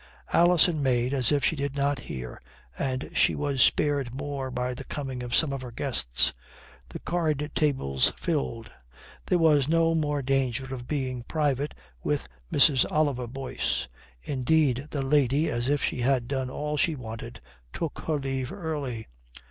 Alison made as if she did not hear, and she was spared more by the coming of some of her guests. The card tables filled. There was no more danger of being private with Mrs. Oliver Boyce. Indeed, the lady, as if she had done all she wanted, took her leave early.